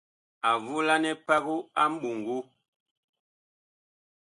A volanɛ pago a mɓoŋgo.